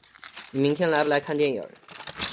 你明天来不来看电影？